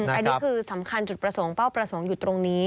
อันนี้คือสำคัญจุดประสงค์เป้าประสงค์อยู่ตรงนี้